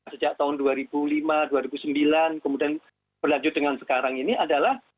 sejak tahun dua ribu lima dua ribu sembilan kemudian berlanjut dengan sekarang ini adalah